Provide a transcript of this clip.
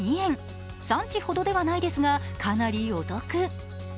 産地ほどではないですがかなりお得。